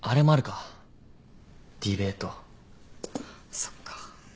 そっか。